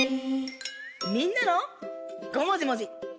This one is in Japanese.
みんなの「ごもじもじ」。